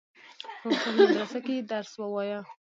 په شاهي مدرسه کې یې درس ووایه.